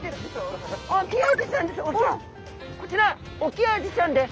こちらオキアジちゃんです。